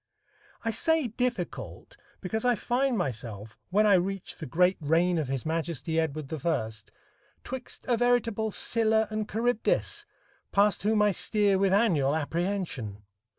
I say "difficult" because I find myself, when I reach the great reign of his Majesty Edward I, 'twixt a veritable Scylla and Charybdis, past whom I steer with annual apprehension.